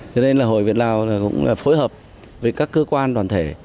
cho nên là hội việt lào cũng phối hợp với các cơ quan đoàn thể